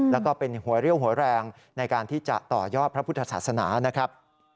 แล้วก็เป็นหัวเรี่ยวหัวแรงในการที่จะต่อยอดพระพุทธศาสนานะครับ